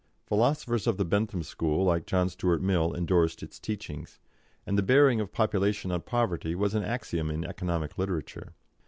Philosophers of the Bentham school, like John Stuart Mill, endorsed its teachings, and the bearing of population on poverty was an axiom in economic literature.